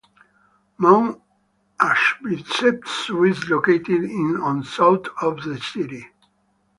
Mount Ashibetsu is located on south of the city.